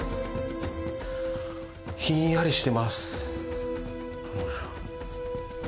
ひんやりしてます。